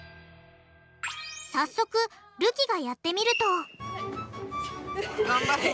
早速るきがやってみるとがんばって。